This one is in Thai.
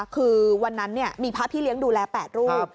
คือวันนั้นมีพระพี่เลี้ยงดูแล๘รูป